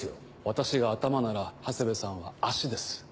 私が頭なら長谷部さんは足です。